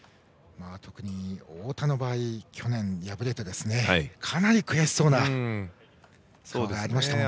特に太田の場合は去年、敗れてかなり悔しそうな顔がありましたものね。